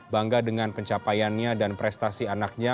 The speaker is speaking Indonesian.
bangga dengan pencapaiannya dan prestasi anaknya